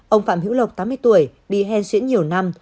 ông phạm hữu lộc tám mươi tuổi bị hen xuyễn nhiều năm